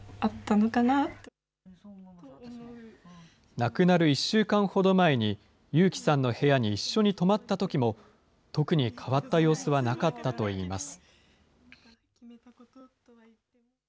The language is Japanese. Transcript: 亡くなる１週間ほど前に、ゆうきさんの部屋に一緒に泊まったときも、特に変わった様子はなかったといいます。